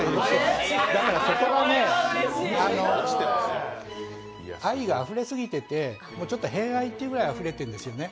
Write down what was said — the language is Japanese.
だからそこがね、愛があふれすぎてて偏愛っていうくらいあふれてるんですよね。